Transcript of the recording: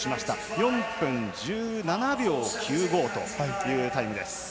４分１７秒９５というタイム。